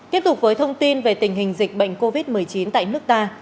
tiếp tục với thông tin về tình hình dịch bệnh covid một mươi chín tại nước ta